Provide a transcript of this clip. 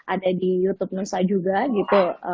ada di youtube nusa juga gitu